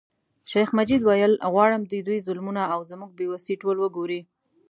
شیخ مجید ویل غواړم د دوی ظلمونه او زموږ بې وسي ټول وګوري.